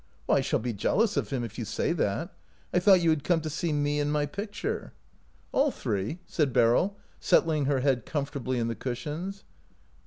" I shall be jealous of him if you say that. I thought you had come to see me and my picture." OUT OF BOHEMIA " All three," said Beryl, settling her head comfortably in the cushions.